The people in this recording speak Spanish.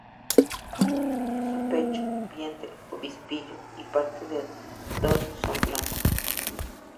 Su pecho, vientre, obispillo y parte del dorso son blancos.